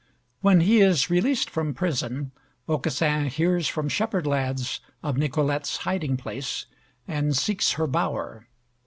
When he is released from prison, Aucassin hears from shepherd lads of Nicolette's hiding place, and seeks her bower.